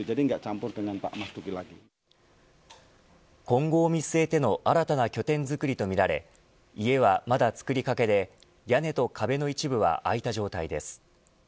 今後を見据えての新たな拠点作りとみられ家はまだ作りかけで屋根と壁の一部は開いた状態です。